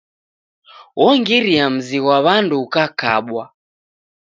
Wongiria mzi ghwa W'andu ukakabwa.